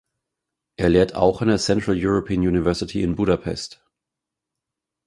Er lehrt auch an der Central European University in Budapest.